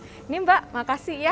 ini mbak makasih ya